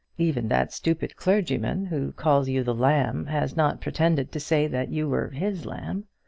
Even that stupid clergyman, who calls you the lamb, has not pretended to say that you were his lamb.